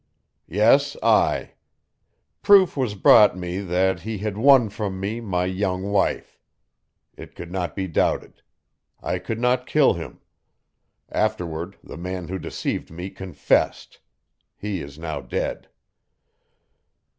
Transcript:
"Yes, I. Proof was brought me that he had won from me my young wife. It could not be doubted. I could not kill him. Afterward the man who deceived me confessed. He is now dead."